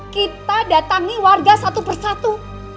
kita datangi warga satu persatu